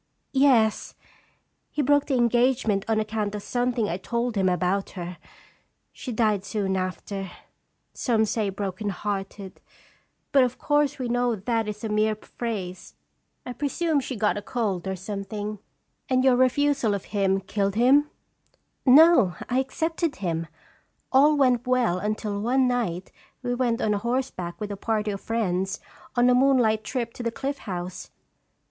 " Yes; he broke the engagement on account of something I told him about her. She died soon after, some say broken hearted; but, of course, we know that is a mere phrase. I pre sume she got a cold, or something." Straj) Easier. 81 "And your refusal of him killed him ?" "No; I accepted him. All went well until one night we went on horseback with a party of friends, on a moonlight trip to* the Cliff House.